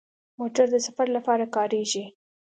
موټر د سفر لپاره کارېږي.